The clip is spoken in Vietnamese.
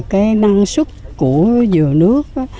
và năng suất của dừa nước